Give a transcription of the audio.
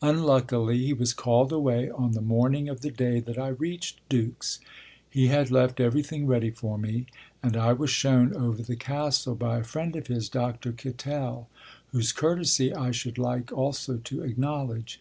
Unluckily, he was called away on the morning of the day that I reached Dux. He had left everything ready for me, and I was shown over the castle by a friend of his, Dr. Kittel, whose courtesy I should like also to acknowledge.